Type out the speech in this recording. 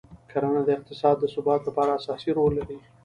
کرنه د اقتصاد د ثبات لپاره اساسي رول لري.